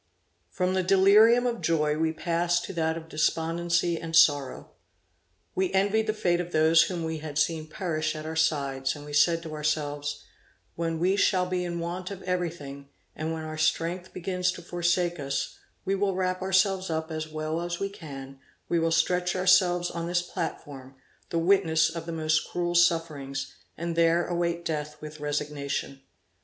From the delirium of joy, we passed to that of despondency and sorrow. We envied the fate of those whom we had seen perish at our sides; and we said to ourselves, 'When we shall be in want of everything, and when our strength begins to forsake us, we will wrap ourselves up as well as we can, we will stretch ourselves on this platform, the witness of the most cruel sufferings, and there await death with resignation.'